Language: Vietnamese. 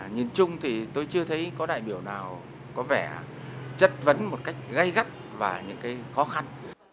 nhìn chung thì tôi chưa thấy có đại biểu nào có vẻ chất vấn một cách gây gắt và những khó khăn